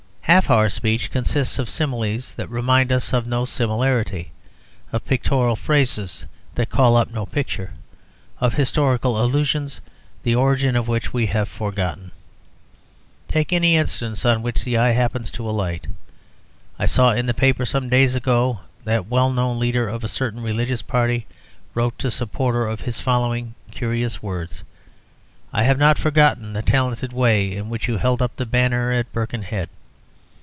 Half our speech consists of similes that remind us of no similarity; of pictorial phrases that call up no picture; of historical allusions the origin of which we have forgotten. Take any instance on which the eye happens to alight. I saw in the paper some days ago that the well known leader of a certain religious party wrote to a supporter of his the following curious words: "I have not forgotten the talented way in which you held up the banner at Birkenhead."